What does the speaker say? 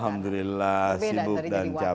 alhamdulillah sibuk dan cap